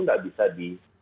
nggak bisa di